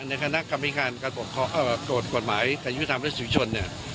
ในคณะกรรมิการการปกโฆเอ่อโกรธกฎหมายการยุทธรรมและสีชนเนี่ย